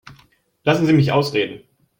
Lassen Sie mich ausreden.